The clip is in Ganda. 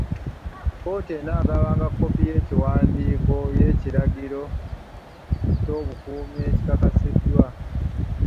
Kkooti enaagabanga kkopi y'ekiwandiiko y'ekiragiro ky'obukuumi ekikasiddwa.